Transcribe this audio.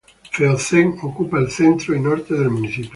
Feozem: ocupa el centro y norte del municipio.